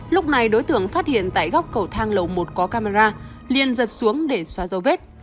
lúc này đối tượng phát hiện tại góc cầu thang lầu một có camera liên giật xuống để xóa dấu vết